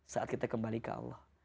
saat kita kembali ke allah